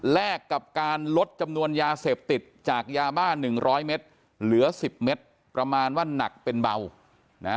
กับการลดจำนวนยาเสพติดจากยาบ้า๑๐๐เมตรเหลือสิบเมตรประมาณว่าหนักเป็นเบานะฮะ